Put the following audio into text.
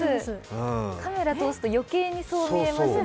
カメラ通すと余計にそう見えますね。